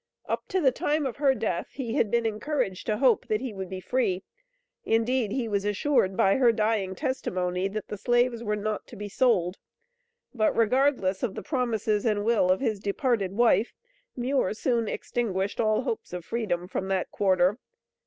"Up to the time of her death," he had been encouraged to "hope" that he would be "free;" indeed, he was assured by her "dying testimony that the slaves were not to be sold." But regardless of the promises and will of his departed wife, Muir soon extinguished all hopes of freedom from that quarter.